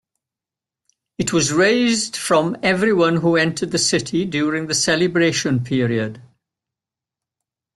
It was raised from everyone who entered the city during the celebration period.